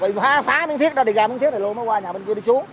bị phá miếng thiết đó đi ra miếng thiết này luôn mới qua nhà bên kia đi xuống